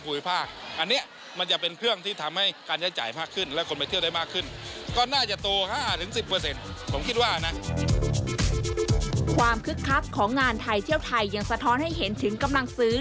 คึกคักของงานไทยเที่ยวไทยยังสะท้อนให้เห็นถึงกำลังซื้อ